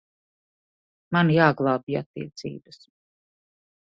Man jāglābj attiecības.